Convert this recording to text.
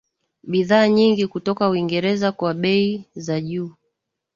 bidhaa nyingi kutoka Uingereza kwa bei za juu